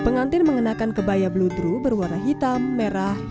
pengantin mengenakan kebaya bluedruh berwarna hitam merah merah dan berwarna merah